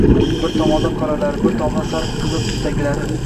Bir tomonda qoralari, bir tomonda sariq-qizil tusdagilari.